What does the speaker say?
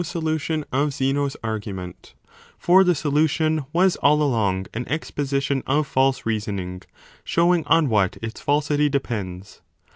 solution of Zeno s argument : for the solution was all along an exposition of false reasoning, showing on what its falsity depends.